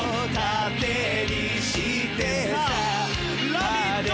「ラヴィット！」